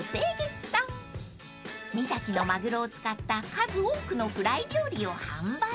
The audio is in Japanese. ［三崎のマグロを使った数多くのフライ料理を販売］